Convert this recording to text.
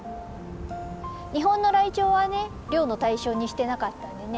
日本のライチョウはね猟の対象にしてなかったんでね